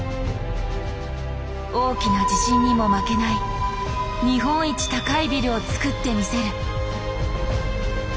「大きな地震にも負けない日本一高いビルを造ってみせる」。